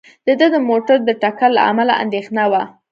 د ده د موټر د ټکر له امله اندېښنه وه.